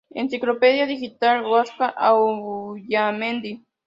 Enciclopedia Digital Vasca Auñamendi.